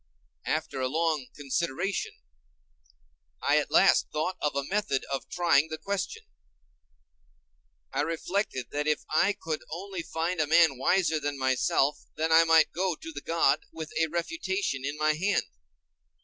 After a long consideration, I at last thought of a method of trying the question. I reflected that if I could only find a man wiser than myself, then I might go to the god with a refutation in my hand.